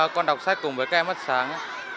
con đọc sách cùng với các em mất sáng